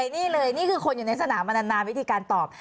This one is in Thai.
นี่เลยนี่คือคนอยู่ในสนามมานานวิธีการตอบ